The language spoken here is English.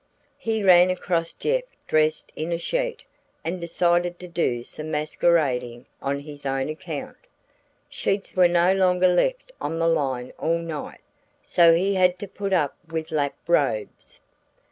He ran across Jeff dressed in a sheet, and decided to do some masquerading on his own account. Sheets were no longer left on the line all night, so he had to put up with lap robes.